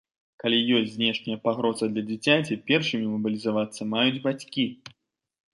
Калі ёсць знешняя пагроза для дзіцяці, першымі мабілізавацца маюць бацькі.